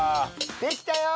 できたよー！